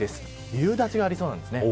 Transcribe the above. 夕立がありそうです。